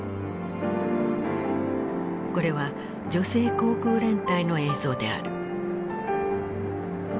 これは女性航空連隊の映像である。